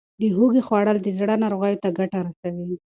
د هوږې خوړل د زړه ناروغیو ته ګټه رسوي.